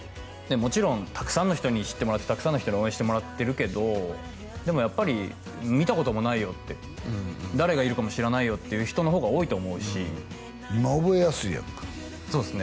もちろんたくさんの人に知ってもらってたくさんの人に応援してもらってるけどでもやっぱり見たこともないよって誰がいるかも知らないよっていう人の方が多いと思うし今覚えやすいやんかそうっすね